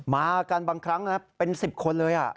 มากันบางครั้งนะเป็น๑๐คนเลย